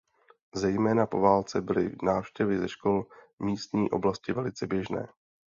Zejména po válce byly návštěvy ze škol místní oblasti velice běžné.